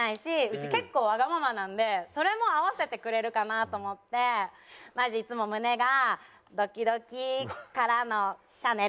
うち結構わがままなんでそれも合わせてくれるかなと思ってマジいつも胸がドキドキからのＣＨＡＮＥＬ。